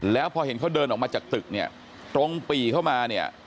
แล้วพอเห็นเขาเดินออกมาจากตึกเนี่ยตรงปี่เข้ามาเนี่ย